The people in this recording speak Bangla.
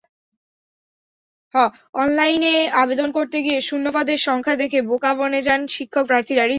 অনলাইনে আবেদন করতে গিয়ে শূন্যপদের সংখ্যা দেখে বোকা বনে যান শিক্ষক প্রার্থীরা।